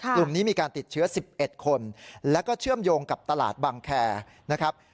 กลุ่มนี้มีการติดเชื้อ๑๑คนแล้วก็เชื่อมโยงกับตลาดบังแคร์นะครับ